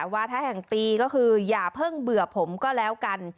วาทะแห่งปีก็คืออย่าเพิ่งเบื่อผมก็แล้วกัน